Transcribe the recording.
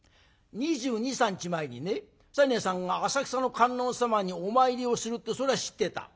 ２２２３日前にね西念さんが浅草の観音様にお参りをするってそれは知ってた。